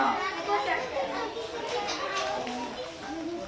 こんにちは。